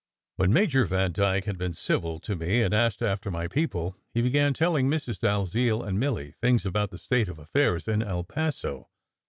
When Major Vandyke had been civil to me and asked after my "people," he began telling Mrs. Dalziel and Milly things about the state of affairs in El Paso.